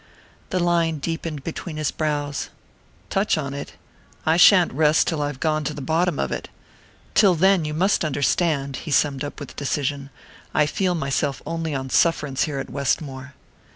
The line deepened between his brows. "Touch on it? I sha'n't rest till I've gone to the bottom of it! Till then, you must understand," he summed up with decision, "I feel myself only on sufferance here at Westmore."